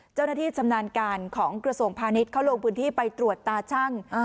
เจ้าหน้าที่ชำนาญการของกระสงค์พาณิชย์เขาลงบืนที่ไปตรวจตาชั่งอ่า